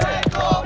kamu duduk akhirnya